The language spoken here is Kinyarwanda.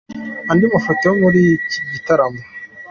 Andi mafoto yo muri iki gitaramo:.